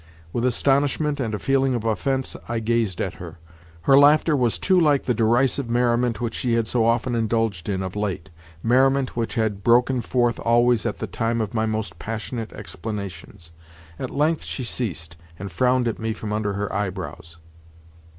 With astonishment and a feeling of offence I gazed at her. Her laughter was too like the derisive merriment which she had so often indulged in of late—merriment which had broken forth always at the time of my most passionate explanations. At length she ceased, and frowned at me from under her eyebrows.